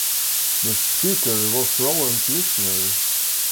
The Speaker was Roland Michener.